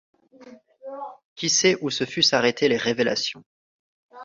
Qui sait où se fussent arrêtées les révélations?